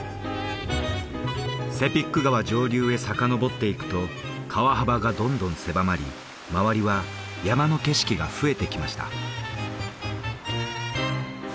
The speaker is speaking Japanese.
セピック川上流へさかのぼっていくと川幅がどんどん狭まり周りは山の景色が増えてきました